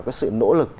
cái sự nỗ lực